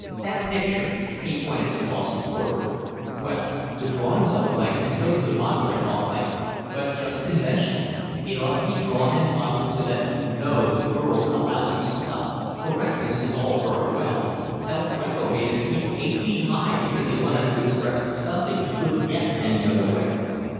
That picture"—he pointed to Lawson's portrait—"well, the drawing's all right and so's the modelling all right, but just conventional; it ought to be drawn and modelled so that you know the girl's a lousy slut. Correctness is all very well: El Greco made his people eight feet high because he wanted to express something he couldn't get any other way."